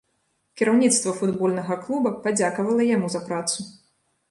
Кіраўніцтва футбольнага клуба падзякавала яму за працу.